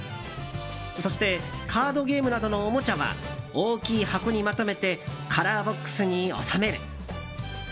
そしてカードゲームなどのおもちゃは大きい箱にまとめてカラーボックスに収める。